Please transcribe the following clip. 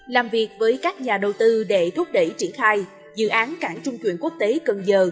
làm việc với các nhà đầu tư để thúc đẩy triển khai dự án cảng trung chuyển quốc tế cần giờ